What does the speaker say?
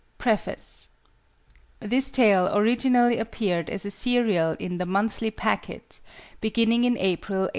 PREFACE. This Tale originally appeared as a serial in The Monthly Packet, beginning in April, 1880.